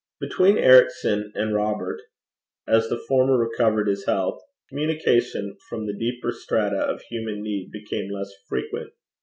Between Ericson and Robert, as the former recovered his health, communication from the deeper strata of human need became less frequent.